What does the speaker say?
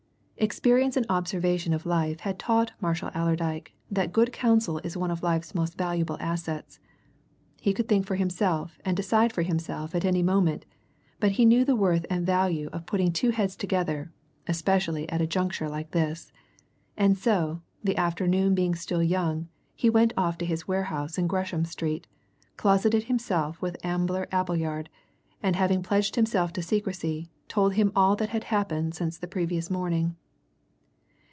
Experience and observation of life had taught Marshall Allerdyke that good counsel is one of life's most valuable assets. He could think for himself and decide for himself at any moment, but he knew the worth and value of putting two heads together, especially at a juncture like this. And so, the afternoon being still young, he went off to his warehouse in Gresham Street, closeted himself with Ambler Appleyard, and having pledged him to secrecy, told him all that had happened since the previous morning.